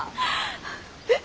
えっ！？